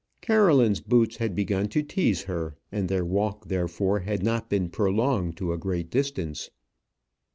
Caroline's boots had begun to tease her, and their walk, therefore, had not been prolonged to a great distance.